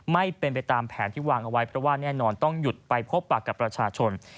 ไม่เป็นไปตามแผนที่วางเอาไว้เพราะว่าแน่นอนต้องหยุดไปพบปากกับประชาชน